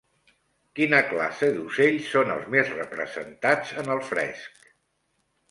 Quina classe d'ocells són els més representats en el fresc?